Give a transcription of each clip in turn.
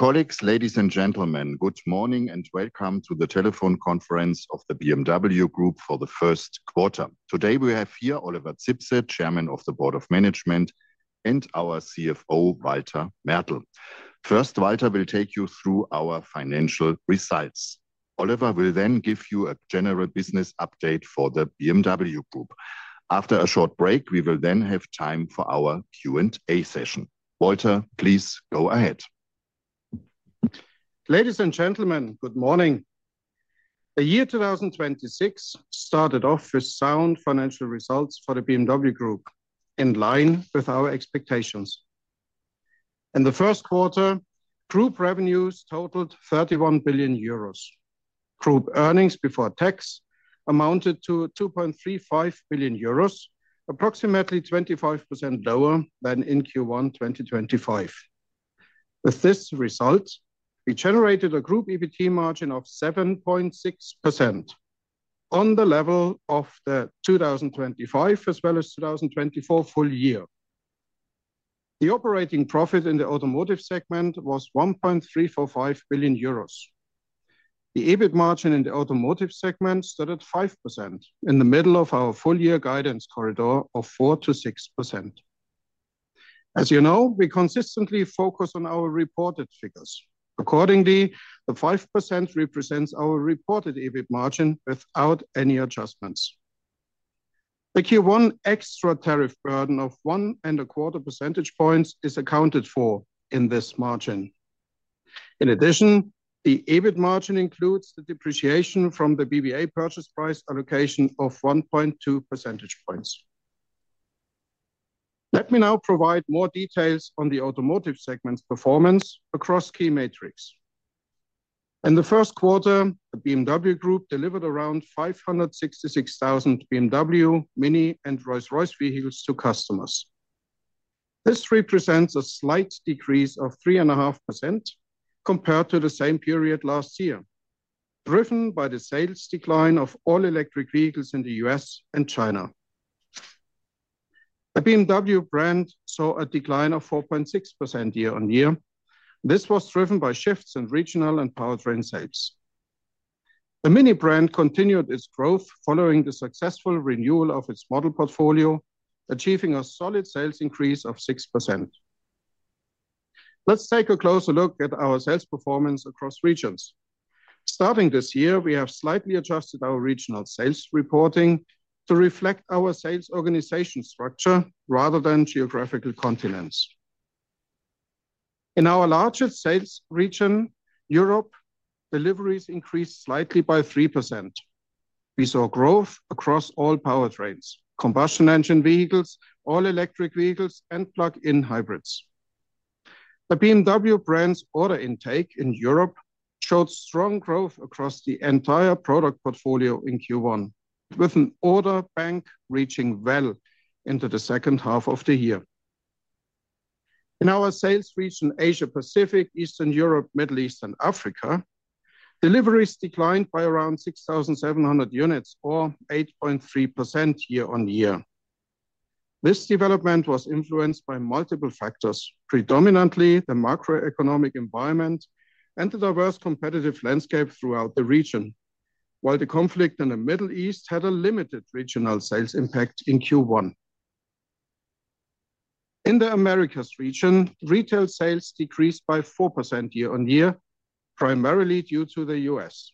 Colleagues, ladies and gentlemen, good morning and welcome to the telephone conference of the BMW Group for the first quarter. Today, we have here Oliver Zipse, Chairman of the Board of Management, and our CFO, Walter Mertl. Walter will take you through our financial results. Oliver will give you a general business update for the BMW Group. After a short break, we will have time for our Q&A session. Walter, please go ahead. Ladies and gentlemen, good morning. The year 2026 started off with sound financial results for the BMW Group in line with our expectations. In the first quarter, group revenues totaled 31 billion euros. Group earnings before tax amounted to 2.35 billion euros, approximately 25% lower than in Q1 2025. With this result, we generated a group EBIT margin of 7.6% on the level of the 2025 as well as 2024 full-year. The operating profit in the automotive segment was 1.345 billion euros. The EBIT margin in the automotive segment stood at 5% in the middle of our full-year guidance corridor of 4%-6%. As you know, we consistently focus on our reported figures. Accordingly, the 5% represents our reported EBIT margin without any adjustments. The Q1 extra tariff burden of 1.25 percentage points is accounted for in this margin. In addition, the EBIT margin includes the depreciation from the BBA purchase price allocation of 1.2 percentage points. Let me now provide more details on the automotive segment's performance across key metrics. In the first quarter, the BMW Group delivered around 566,000 BMW, MINI, and Rolls-Royce vehicles to customers. This represents a slight decrease of 3.5% compared to the same period last year, driven by the sales decline of all-electric vehicles in the U.S. and China. The BMW brand saw a decline of 4.6% year-on-year. This was driven by shifts in regional and powertrain sales. The MINI brand continued its growth following the successful renewal of its model portfolio, achieving a solid sales increase of 6%. Let's take a closer look at our sales performance across regions. Starting this year, we have slightly adjusted our regional sales reporting to reflect our sales organization structure rather than geographical continents. In our largest sales region, Europe, deliveries increased slightly by 3%. We saw growth across all powertrains, combustion engine vehicles, all-electric vehicles, and plug-in hybrids. The BMW brand's order intake in Europe showed strong growth across the entire product portfolio in Q1, with an order bank reaching well into the second half of the year. In our sales region, Asia Pacific, Eastern Europe, Middle East, and Africa, deliveries declined by around 6,700 units or 8.3% year-on-year. This development was influenced by multiple factors, predominantly the macroeconomic environment and the diverse competitive landscape throughout the region. While the conflict in the Middle East had a limited regional sales impact in Q1. In the Americas region, retail sales decreased by 4% year-over-year, primarily due to the U.S.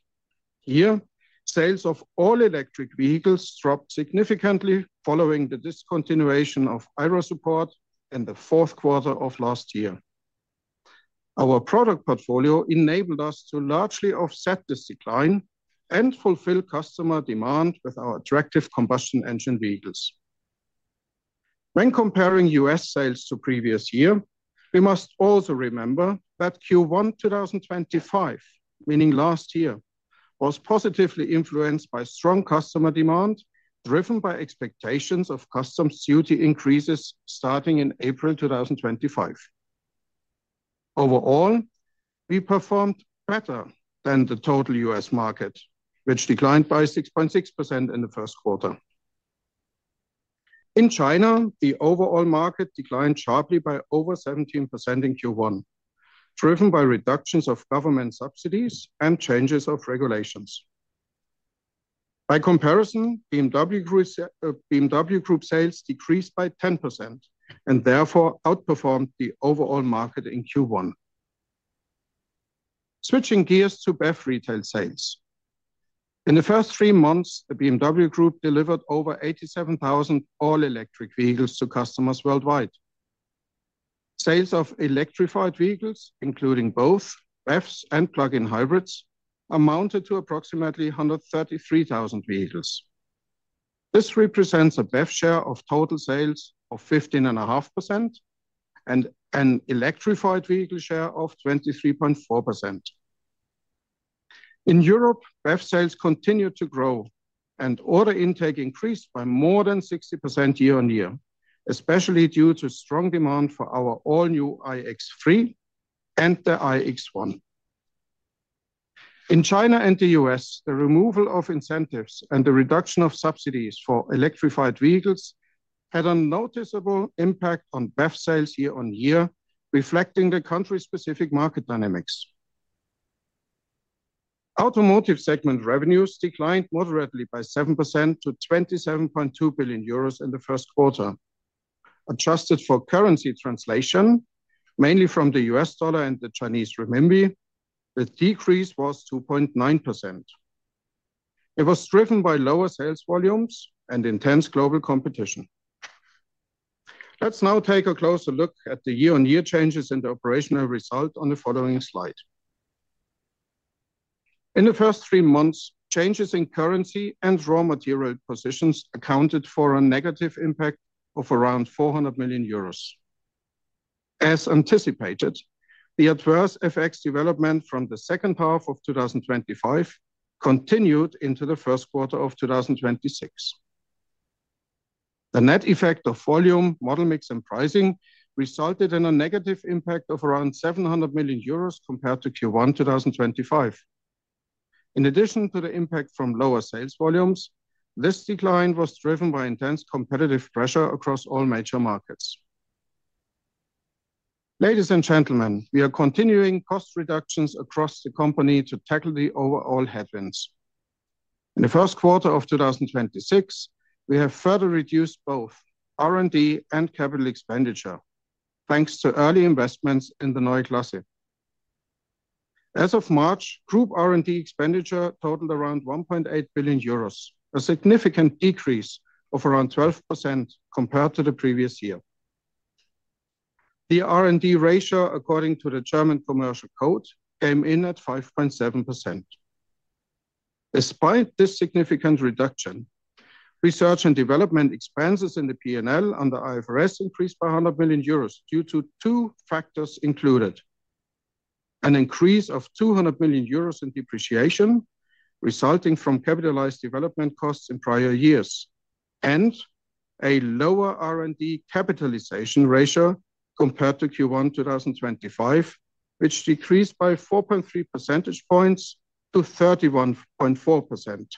Here, sales of all-electric vehicles dropped significantly following the discontinuation of IRA support in the fourth quarter of last year. Our product portfolio enabled us to largely offset this decline and fulfill customer demand with our attractive combustion-engine vehicles. When comparing U.S. sales to the previous year, we must also remember that Q1 2025, meaning last year, was positively influenced by strong customer demand, driven by expectations of customs duty increases starting in April 2025. Overall, we performed better than the total U.S. market, which declined by 6.6% in the first quarter. In China, the overall market declined sharply by over 17% in Q1, driven by reductions of government subsidies and changes of regulations. By comparison, BMW Group sales decreased by 10% and therefore outperformed the overall market in Q1. Switching gears to BEV retail sales. In the first three months, the BMW Group delivered over 87,000 all-electric vehicles to customers worldwide. Sales of electrified vehicles, including both BEVs and plug-in hybrids, amounted to approximately 133,000 vehicles. This represents a BEV share of total sales of 15.5% and an electrified vehicle share of 23.4%. In Europe, BEV sales continued to grow and order intake increased by more than 60% year-on-year, especially due to strong demand for our all-new BMW iX3 and the BMW iX1. In China and the U.S., the removal of incentives and the reduction of subsidies for electrified vehicles had a noticeable impact on BEV sales year-on-year, reflecting the country-specific market dynamics. Automotive segment revenues declined moderately by 7% to 27.2 billion euros in the first quarter. Adjusted for currency translation, mainly from the U.S. dollar and the Chinese renminbi, the decrease was 2.9%. It was driven by lower sales volumes and intense global competition. Let's now take a closer look at the year-on-year changes in the operational result on the following slide. In the first three months, changes in currency and raw material positions accounted for a negative impact of around 400 million euros. As anticipated, the adverse FX development from the second half of 2025 continued into the first quarter of 2026. The net effect of volume, model mix, and pricing resulted in a negative impact of around 700 million euros compared to Q1 2025. In addition to the impact from lower sales volumes, this decline was driven by intense competitive pressure across all major markets. Ladies and gentlemen, we are continuing cost reductions across the company to tackle the overall headwinds. In the first quarter of 2026, we have further reduced both R&D and capital expenditure, thanks to early investments in the Neue Klasse. As of March, group R&D expenditure totaled around 1.8 billion euros, a significant decrease of around 12% compared to the previous year. The R&D ratio according to the German Commercial Code came in at 5.7%. Despite this significant reduction, research and development expenses in the P&L under IFRS increased by 100 million euros due to two factors included: an increase of 200 million euros in depreciation resulting from capitalized development costs in prior years, and a lower R&D capitalization ratio compared to Q1 2025, which decreased by 4.3 percentage points to 31.4%.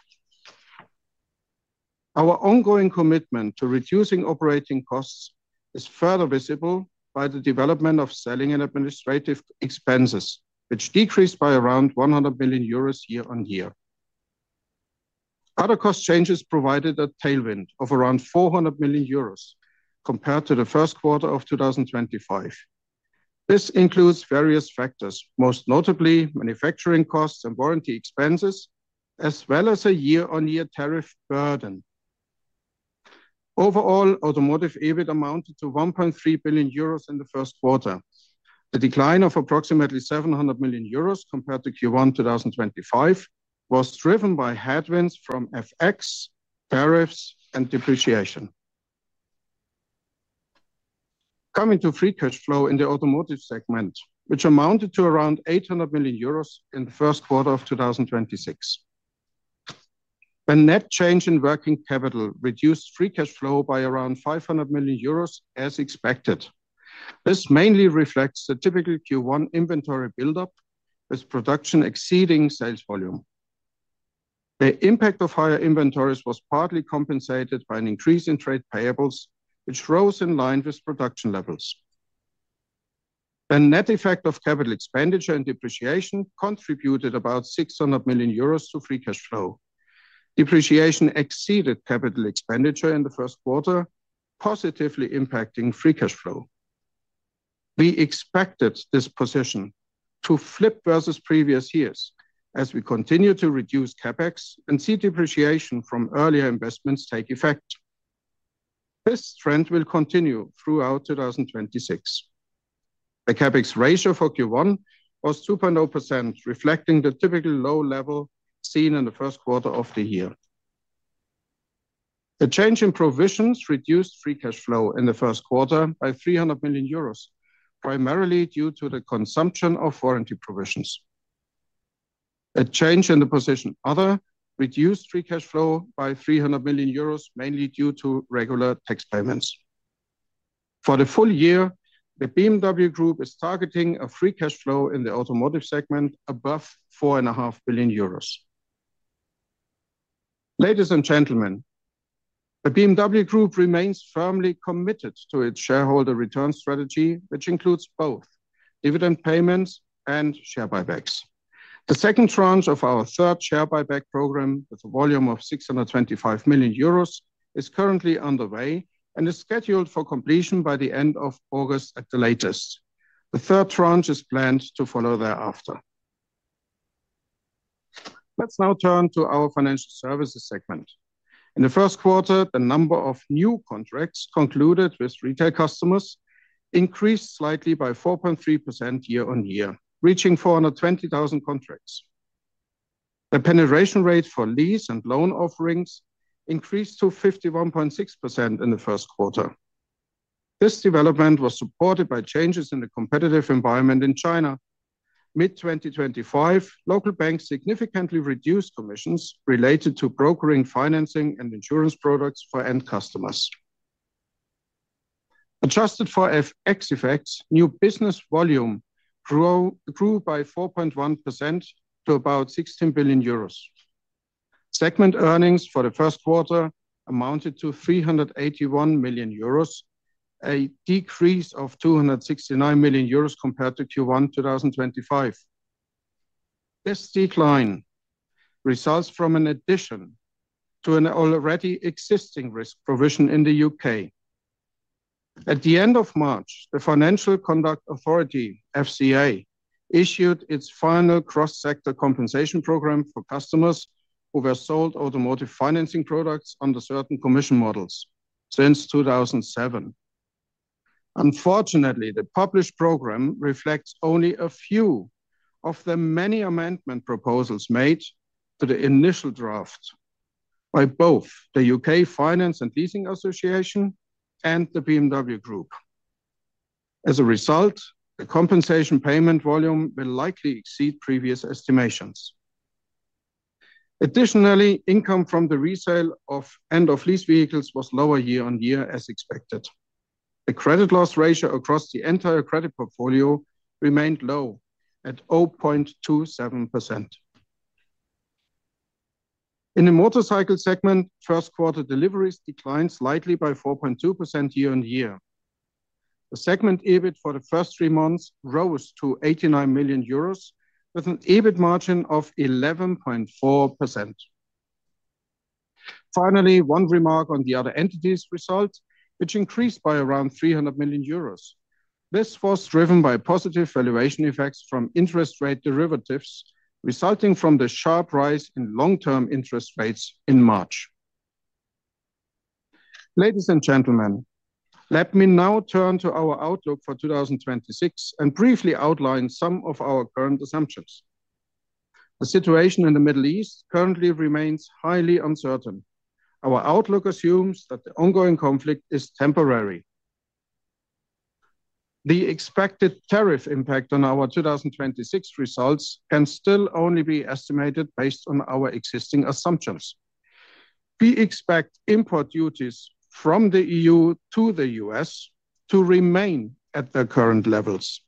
Our ongoing commitment to reducing operating costs is further visible by the development of selling and administrative expenses, which decreased by around 100 million euros year-on-year. Other cost changes provided a tailwind of around 400 million euros compared to the first quarter of 2025. This includes various factors, most notably manufacturing costs and warranty expenses, as well as a year-over-year tariff burden. Overall, automotive EBIT amounted to 1.3 billion euros in the first quarter. The decline of approximately 700 million euros compared to Q1 2025 was driven by headwinds from FX, tariffs, and depreciation. Coming to free cash flow in the automotive segment, which amounted to around 800 million euros in the first quarter of 2026. A net change in working capital reduced free cash flow by around 500 million euros, as expected. This mainly reflects the typical Q1 inventory buildup, with production exceeding sales volume. The impact of higher inventories was partly compensated by an increase in trade payables, which rose in line with production levels. The net effect of capital expenditure and depreciation contributed about 600 million euros to free cash flow. Depreciation exceeded capital expenditure in the first quarter, positively impacting free cash flow. We expected this position to flip versus previous years as we continue to reduce CapEx and see depreciation from earlier investments take effect. This trend will continue throughout 2026. The CapEx ratio for Q1 was 2.0%, reflecting the typically low level seen in the first quarter of the year. The change in provisions reduced free cash flow in the first quarter by 300 million euros, primarily due to the consumption of warranty provisions. A change in the position, other, reduced free cash flow by 300 million euros, mainly due to regular tax payments. For the full year, the BMW Group is targeting a free cash flow in the automotive segment above 4.5 billion euros. Ladies and gentlemen, the BMW Group remains firmly committed to its shareholder return strategy, which includes both dividend payments and share buybacks. The second tranche of our third share buyback program, with a volume of 625 million euros, is currently underway and is scheduled for completion by the end of August at the latest. The third tranche is planned to follow thereafter. Let's now turn to our financial services segment. In the first quarter, the number of new contracts concluded with retail customers increased slightly by 4.3% year-on-year, reaching 420,000 contracts. The penetration rate for lease and loan offerings increased to 51.6% in the first quarter. This development was supported by changes in the competitive environment in China. Mid-2025, local banks significantly reduced commissions related to brokering financing and insurance products for end customers. Adjusted for FX effects, new business volume grew by 4.1% to about 16 billion euros. Segment earnings for the first quarter amounted to 381 million euros, a decrease of 269 million euros compared to Q1 2025. This decline results from an addition to an already existing risk provision in the U.K. At the end of March, the Financial Conduct Authority, FCA, issued its final cross-sector compensation program for customers who were sold automotive financing products under certain commission models since 2007. Unfortunately, the published program reflects only a few of the many amendment proposals made to the initial draft by both the Finance & Leasing Association and the BMW Group. As a result, the compensation payment volume will likely exceed previous estimations. Additionally, income from the resale of end-of-lease vehicles was lower year-over-year as expected. The credit loss ratio across the entire credit portfolio remained low at 0.27%. In the motorcycle segment, first quarter deliveries declined slightly by 4.2% year-over-year. The segment EBIT for the first three months rose to 89 million euros with an EBIT margin of 11.4%. Finally, one remark on the other entities results, which increased by around 300 million euros. This was driven by positive valuation effects from interest rate derivatives resulting from the sharp rise in long-term interest rates in March. Ladies and gentlemen, let me now turn to our outlook for 2026 and briefly outline some of our current assumptions. The situation in the Middle East currently remains highly uncertain. Our outlook assumes that the ongoing conflict is temporary. The expected tariff impact on our 2026 results can still only be estimated based on our existing assumptions. We expect import duties from the EU to the U.S. to remain at their current levels.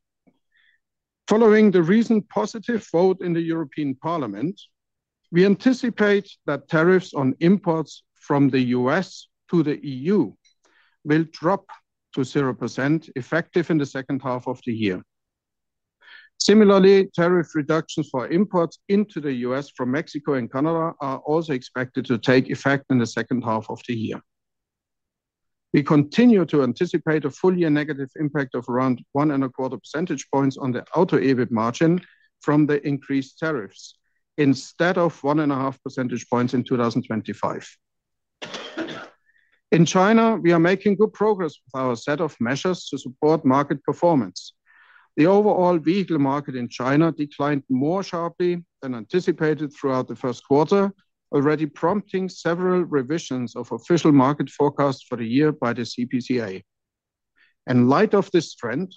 Following the recent positive vote in the European Parliament, we anticipate that tariffs on imports from the U.S. to the EU will drop to 0% effective in the second half of the year. Similarly, tariff reductions for imports into the U.S. from Mexico and Canada are also expected to take effect in the second half of the year. We continue to anticipate a full-year negative impact of around 1.25 percentage points on the auto EBIT margin from the increased tariffs instead of 1.5 percentage points in 2025. In China, we are making good progress with our set of measures to support market performance. The overall vehicle market in China declined more sharply than anticipated throughout the first quarter, already prompting several revisions of official market forecasts for the year by the CPCA. In light of this trend,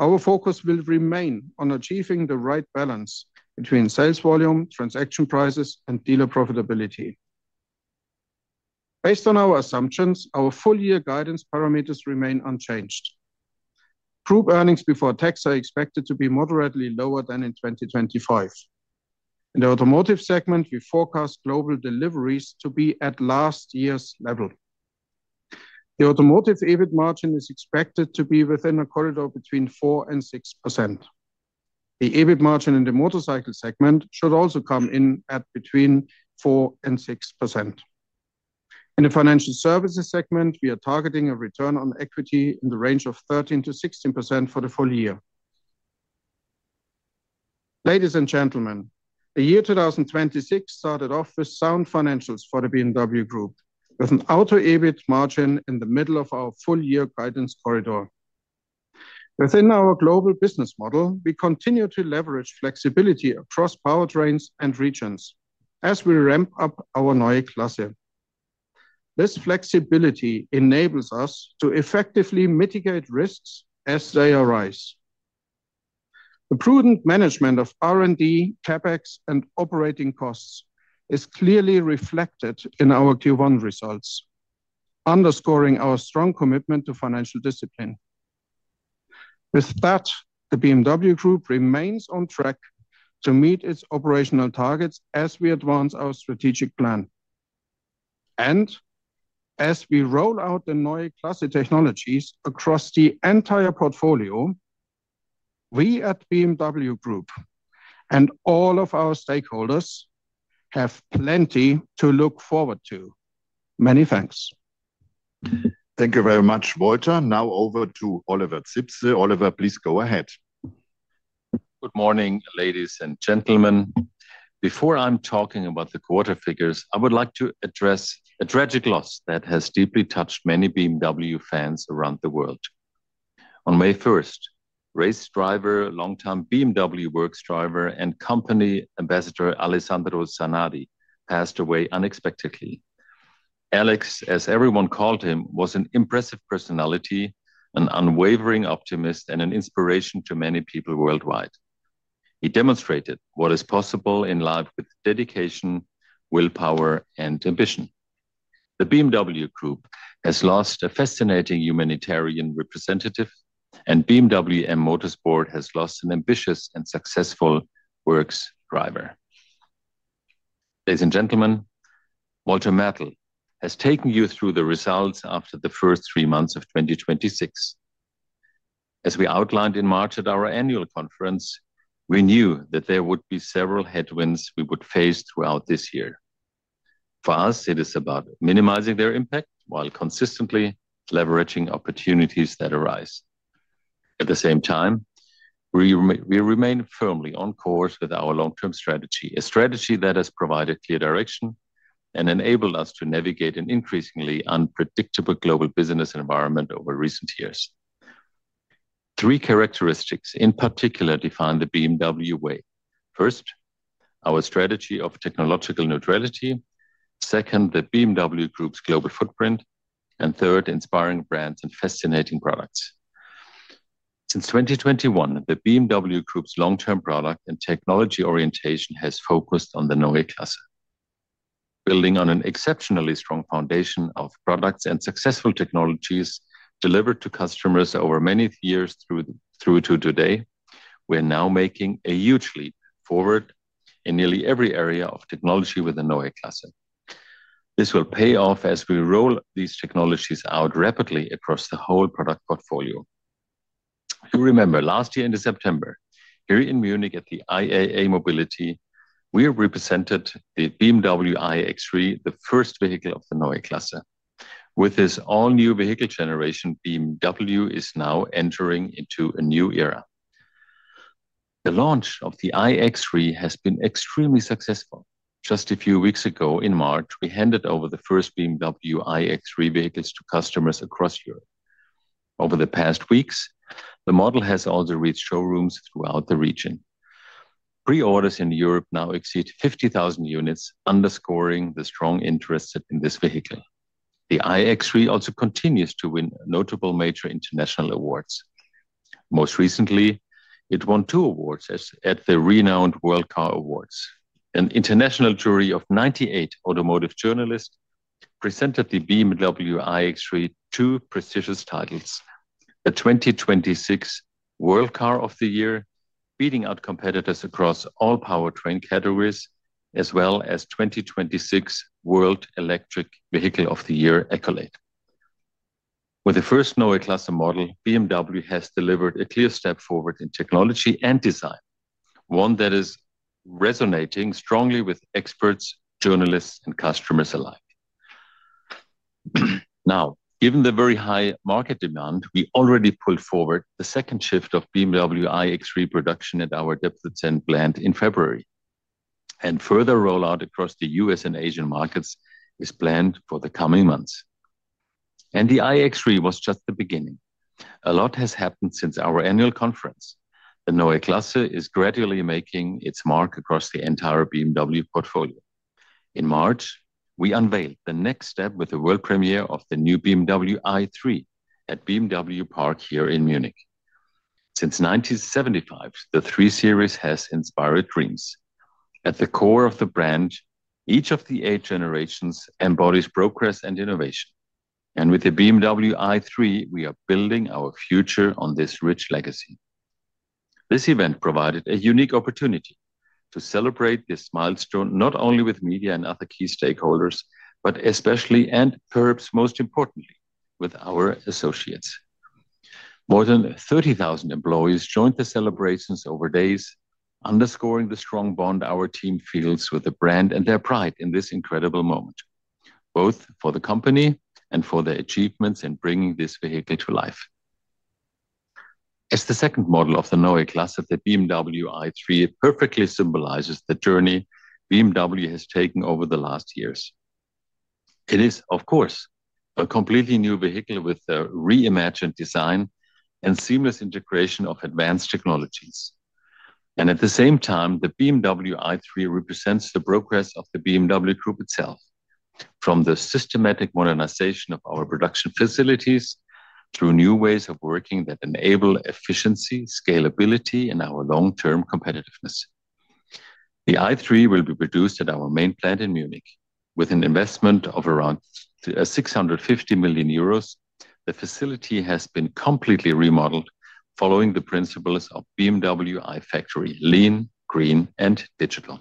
our focus will remain on achieving the right balance between sales volume, transaction prices, and dealer profitability. Based on our assumptions, our full-year guidance parameters remain unchanged. Proved earnings before tax are expected to be moderately lower than in 2025. In the automotive segment, we forecast global deliveries to be at last year's level. The automotive EBIT margin is expected to be within a corridor between 4% and 6%. The EBIT margin in the motorcycle segment should also come in at between 4% and 6%. In the financial services segment, we are targeting a return on equity in the range of 13%-16% for the full year. Ladies and gentlemen, the year 2026 started off with sound financials for the BMW Group, with an auto EBIT margin in the middle of our full-year guidance corridor. Within our global business model, we continue to leverage flexibility across powertrains and regions as we ramp up our Neue Klasse. This flexibility enables us to effectively mitigate risks as they arise. The prudent management of R&D, CapEx, and operating costs is clearly reflected in our Q1 results, underscoring our strong commitment to financial discipline. With that, the BMW Group remains on track to meet its operational targets as we advance our strategic plan. As we roll out the Neue Klasse technologies across the entire portfolio, we at BMW Group and all of our stakeholders have plenty to look forward to. Many thanks. Thank you very much, Walter. Now over to Oliver Zipse. Oliver, please go ahead. Good morning, ladies and gentlemen. Before I talk about the quarter figures, I would like to address a tragic loss that has deeply touched many BMW fans around the world. On May 1st, race driver, longtime BMW works driver, and company ambassador Alessandro Zanardi passed away unexpectedly. Alex, as everyone called him, was an impressive personality, an unwavering optimist, and an inspiration to many people worldwide. He demonstrated what is possible in life with dedication, willpower, and ambition. The BMW Group has lost a fascinating humanitarian representative, and BMW M Motorsport has lost an ambitious and successful works driver. Ladies and gentlemen, Walter Mertl has taken you through the results after the first three months of 2026. As we outlined in March at our annual conference, we knew that there would be several headwinds we would face throughout this year. For us, it is about minimizing their impact while consistently leveraging opportunities that arise. At the same time, we remain firmly on course with our long-term strategy, a strategy that has provided clear direction and enabled us to navigate an increasingly unpredictable global business environment over recent years. Three characteristics in particular define the BMW way. First, our strategy of technological neutrality. Second, the BMW Group's global footprint. Third, inspiring brands and fascinating products. Since 2021, the BMW Group's long-term product and technology orientation has focused on the Neue Klasse. Building on an exceptionally strong foundation of products and successful technologies delivered to customers over many years, through to today, we're now making a huge leap forward in nearly every area of technology with the Neue Klasse. This will pay off as we roll these technologies out rapidly across the whole product portfolio. You remember last year in September, here in Munich at the IAA Mobility, we represented the BMW iX3, the first vehicle of the Neue Klasse. With this all-new vehicle generation, BMW is now entering into a new era. The launch of the BMW iX3 has been extremely successful. Just a few weeks ago, in March, we handed over the first BMW iX3 vehicles to customers across Europe. Over the past weeks, the model has also reached showrooms throughout the region. Pre-orders in Europe now exceed 50,000 units, underscoring the strong interest in this vehicle. The BMW iX3 also continues to win notable major international awards. Most recently, it won two awards at the renowned World Car Awards. An international jury of 98 automotive journalists presented the BMW iX3 two prestigious titles: the 2026 World Car of the Year, beating out competitors across all powertrain categories, as well as the 2026 World Electric Vehicle of the Year accolade. With the first Neue Klasse model, BMW has delivered a clear step forward in technology and design, one that is resonating strongly with experts, journalists, and customers alike. Now, given the very high market demand, we already pulled forward the second shift of BMW iX3 production at our Dingolfing plant in February, and further rollout across the U.S. and Asian markets is planned for the coming months. The BMW iX3 was just the beginning. A lot has happened since our annual conference. The Neue Klasse is gradually making its mark across the entire BMW portfolio. In March, we unveiled the next step with the world premiere of the new BMW i3 at BMW Welt here in Munich. Since 1975, the 3 Series has inspired dreams. At the core of the brand, each of the eight generations embodies progress and innovation. With the BMW i3, we are building our future on this rich legacy. This event provided a unique opportunity to celebrate this milestone not only with media and other key stakeholders, but especially, and perhaps most importantly, with our associates. More than 30,000 employees joined the celebrations over the days, underscoring the strong bond our team feels with the brand and their pride in this incredible moment, both for the company and for their achievements in bringing this vehicle to life. As the second model of the Neue Klasse, the BMW i3 perfectly symbolizes the journey BMW has taken over the last years. It is, of course, a completely new vehicle with a reimagined design and seamless integration of advanced technologies. At the same time, the BMW i3 Touring represents the progress of the BMW Group itself. From the systematic modernization of our production facilities through new ways of working that enable efficiency, scalability, and our long-term competitiveness. The i3 will be produced at our main plant in Munich with an investment of around 650 million euros. The facility has been completely remodeled following the principles of BMW iFACTORY: LEAN, GREEN, and DIGITAL.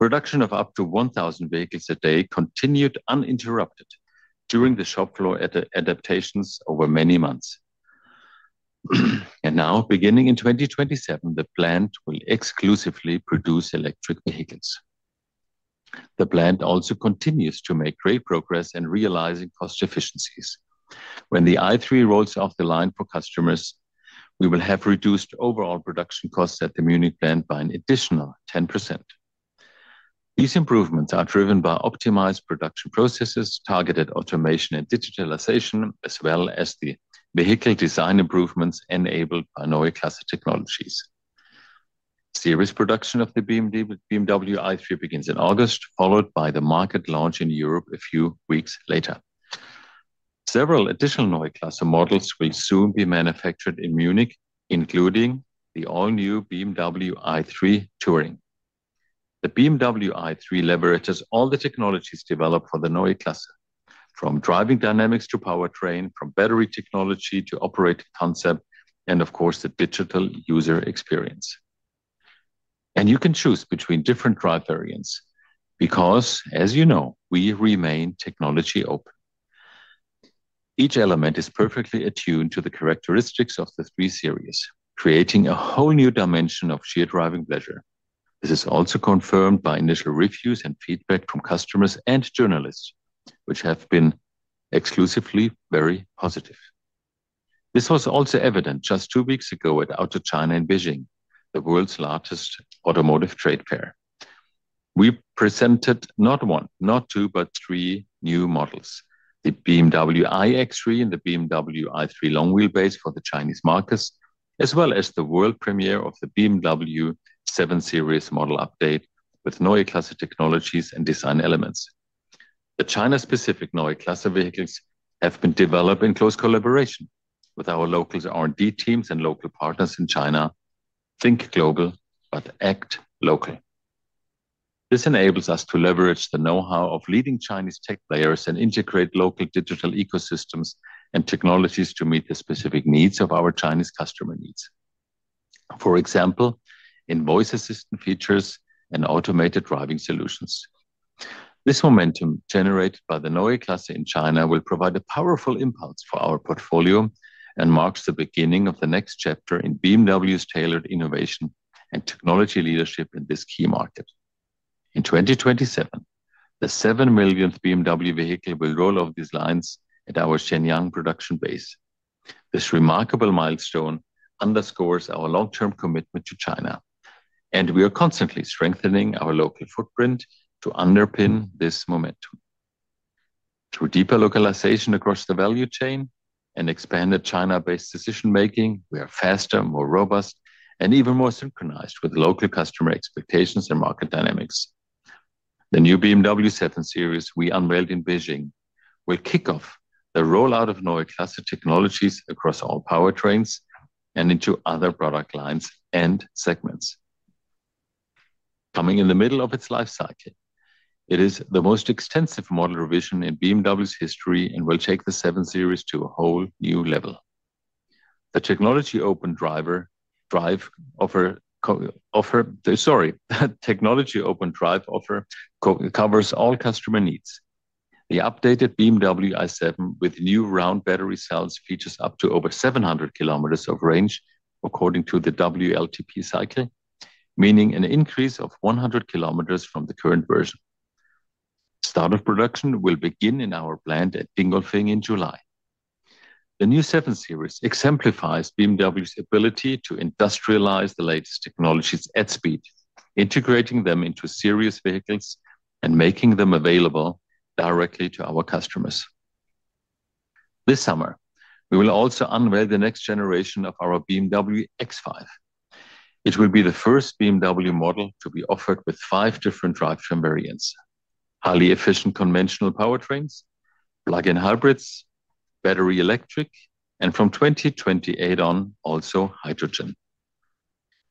Production of up to 1,000 vehicles a day continued uninterrupted during the shop floor adaptations over many months. Now, beginning in 2027, the plant will exclusively produce electric vehicles. The plant also continues to make great progress in realizing cost efficiencies. When the BMW i3 rolls off the line for customers, we will have reduced overall production costs at the Munich plant by an additional 10%. These improvements are driven by optimized production processes, targeted automation and digitalization, as well as the vehicle design improvements enabled by Neue Klasse technologies. Series production of the BMW i3 begins in August, followed by the market launch in Europe a few weeks later. Several additional Neue Klasse models will soon be manufactured in Munich, including the all-new BMW i3 Touring. The BMW i3 leverages all the technologies developed for the Neue Klasse, from driving dynamics to powertrain, from battery technology to operating concept, and of course, the digital user experience. You can choose between different drive variants because, as you know, we remain technology-open. Each element is perfectly attuned to the characteristics of the 3 Series, creating a whole new dimension of sheer driving pleasure. This is also confirmed by initial reviews and feedback from customers and journalists, which have been exclusively very positive. This was also evident just two weeks ago at Auto China in Beijing, the world's largest automotive trade fair. We presented not one, not two, but three new models: the BMW iX3 and the BMW i3 long wheelbase for the Chinese markets, as well as the world premiere of the BMW 7 Series model update with Neue Klasse technologies and design elements. The China-specific Neue Klasse vehicles have been developed in close collaboration with our local R&D teams and local partners in China. Think global, act locally. This enables us to leverage the know-how of leading Chinese tech players and integrate local digital ecosystems and technologies to meet the specific needs of our Chinese customers needs. For example, in voice assistant features and automated driving solutions. This momentum generated by the Neue Klasse in China will provide a powerful impulse for our portfolio and marks the beginning of the next chapter in BMW's tailored innovation and technology leadership in this key market. In 2027, the 7 millionth BMW vehicle will roll off these lines at our Shenyang production base. This remarkable milestone underscores our long-term commitment to China, and we are constantly strengthening our local footprint to underpin this momentum. Through deeper localization across the value chain and expanded China-based decision-making, we are faster, more robust, and even more synchronized with local customer expectations and market dynamics. The new BMW 7 Series we unveiled in Beijing will kick off the rollout of Neue Klasse technologies across all powertrains and into other product lines and segments. Coming in the middle of its life cycle, it is the most extensive model revision in BMW's history and will take the BMW 7 Series to a whole new level. The technology open drive offer to cover all customer needs. The updated BMW i7 with new round battery cells features up to over 700 km of range, according to the WLTP cycle, meaning an increase of 100 km from the current version. Start of production will begin in our plant at Dingolfing in July. The new BMW 7 Series exemplifies BMW's ability to industrialize the latest technologies at speed, integrating them into series vehicles and making them available directly to our customers. This summer, we will also unveil the next generation of our BMW X5. It will be the first BMW model to be offered with five different drivetrain variants: highly efficient conventional powertrains, plug-in hybrids, battery electric, and, from 2028 on, also hydrogen.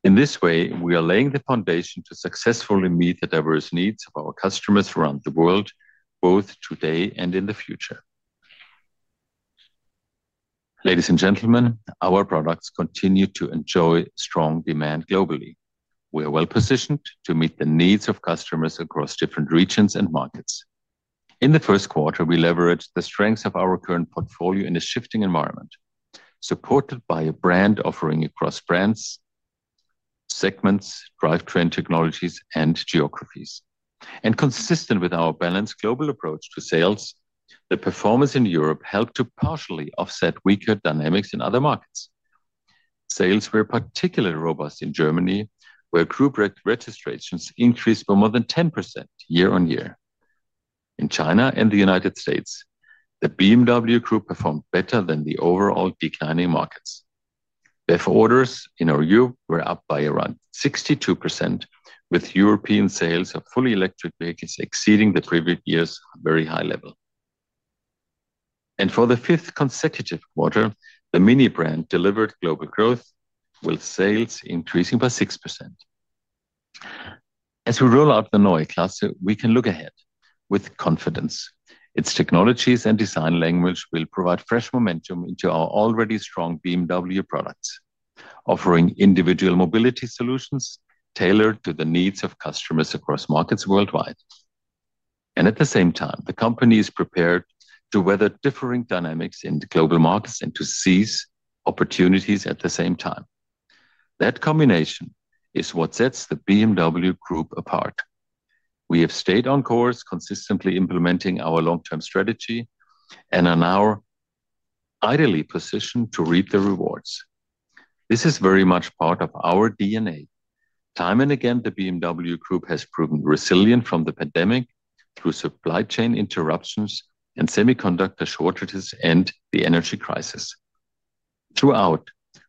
In this way, we are laying the foundation to successfully meet the diverse needs of our customers around the world, both today and in the future. Ladies and gentlemen, our products continue to enjoy strong demand globally. We are well-positioned to meet the needs of customers across different regions and markets. In the first quarter, we leveraged the strengths of our current portfolio in a shifting environment, supported by a brand offering across brands, segments, drivetrain technologies, and geographies. Consistent with our balanced global approach to sales, the performance in Europe helped to partially offset weaker dynamics in other markets. Sales were particularly robust in Germany, where Group re-registrations increased by more than 10% year-on-year. In China and the U.S., the BMW Group performed better than the overall declining markets. Therefore, orders in our view were up by around 62%, with European sales of all-electric vehicles exceeding the previous year's very high level. For the fifth consecutive quarter, the MINI brand delivered global growth, with sales increasing by 6%. As we roll out the Neue Klasse, we can look ahead with confidence. Its technologies and design language will provide fresh momentum into our already strong BMW products, offering individual mobility solutions tailored to the needs of customers across markets worldwide. At the same time, the company is prepared to weather differing dynamics in the global markets and to seize opportunities at the same time. That combination is what sets the BMW Group apart. We have stayed on course, consistently implementing our long-term strategy, and are now ideally positioned to reap the rewards. This is very much part of our DNA. Time and again, the BMW Group has proven resilient from the pandemic through supply chain interruptions, and semiconductor shortages, and the energy crisis. Throughout,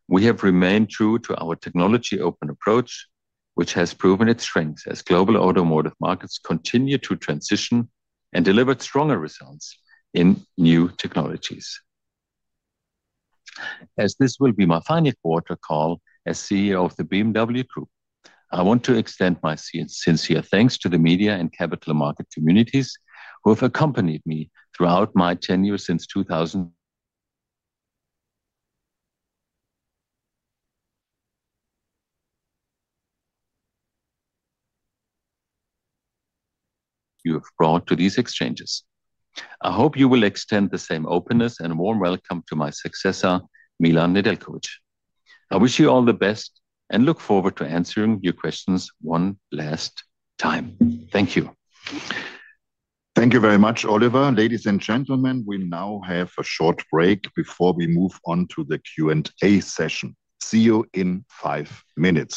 we have remained true to our technology-open approach, which has proven its strength as global automotive markets continue to transition and deliver stronger results in new technologies. As this will be my final quarter call as CEO of the BMW Group, I want to extend my sincere thanks to the media and capital market communities who have accompanied me throughout my tenure since 2000. You have brought to these exchanges. I hope you will extend the same openness and warm welcome to my successor, Milan Nedeljković. I wish you all the best and look forward to answering your questions one last time. Thank you. Thank you very much, Oliver. Ladies and gentlemen, we now have a short break before we move on to the Q&A session. See you in five minutes.